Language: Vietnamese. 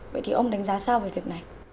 vậy thì ông đánh giá sao về việc này